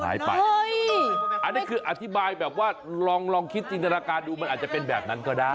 อันนี้คืออธิบายแบบว่าลองคิดจินตนาการดูมันอาจจะเป็นแบบนั้นก็ได้